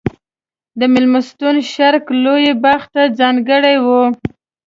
د مېلمستون شرق لوری باغ ته ځانګړی و.